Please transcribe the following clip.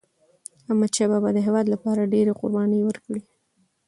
احمدشاه بابا د هیواد لپاره ډيري قربانی ورکړي.